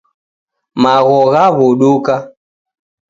Magho ghaw'uduka.